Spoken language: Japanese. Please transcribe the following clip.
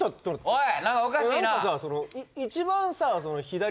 おい！